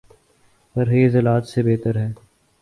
پرہیز علاج سے بہتر ہے